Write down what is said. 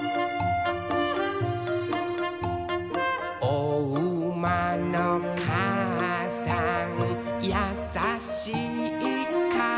「おうまのかあさんやさしいかあさん」